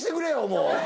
もう。